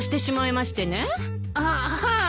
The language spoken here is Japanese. ああはあ。